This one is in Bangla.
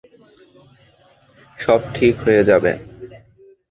সব ঠিক হয়ে যাবে।